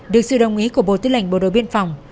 được sự đồng ý của bộ tư lệnh bộ đội biên phòng